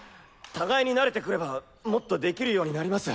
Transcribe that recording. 互いに慣れてくればもっとできるようになります。